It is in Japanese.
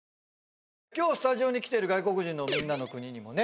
今日スタジオに来ている外国人のみんなの国にもね